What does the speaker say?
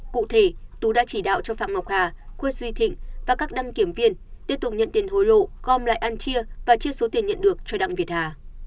cụ thể tú đã chỉ đạo cho phạm ngọc hà khuất duy thịnh và các đăng kiểm viên tiếp tục nhận tiền hối lộ gom lại ăn chia và chia số tiền nhận được cho đặng việt hà